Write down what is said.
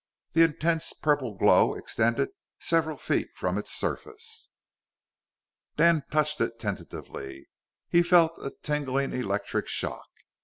The intense purple glow extended several feet from its surface. Dan touched it tentatively. He felt a tingling electric shock.